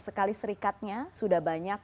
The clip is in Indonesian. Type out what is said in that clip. sekali serikatnya sudah banyak